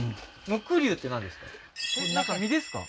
ムクリュウってなんですか？